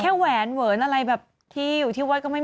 พี่แมว่ะแต่หนุ่มไม่ได้พี่แมว่ะแต่หนุ่มไม่ได้